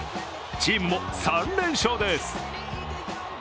チームも３連勝です。